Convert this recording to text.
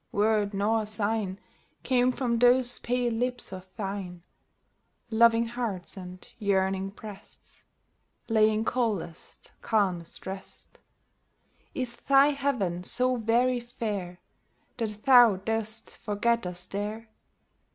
Word nor sign Came from those pale lips pf thine ; Loving hearts and yearning breast Lay in coldest, calmest rest. Is thy Heaven so very fair That thou dost forget us there